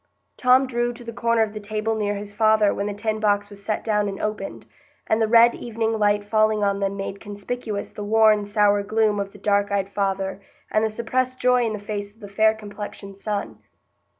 Tom drew to the corner of the table near his father when the tin box was set down and opened, and the red evening light falling on them made conspicuous the worn, sour gloom of the dark eyed father and the suppressed joy in the face of the fair complexioned son.